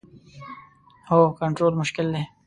هو، کنټرول مشکل دی